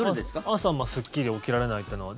朝、すっきり起きられないというのは。